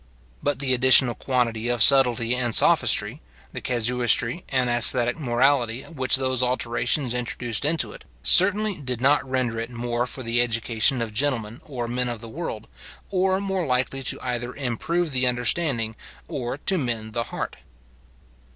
But the additional quantity of subtlety and sophistry, the casuistry and ascetic morality which those alterations introduced into it, certainly did not render it more for the education of gentlemen or men of the world, or more likely either to improve the understanding or to mend the heart.